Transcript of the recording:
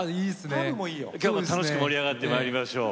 今日も楽しく盛り上がってまいりましょう。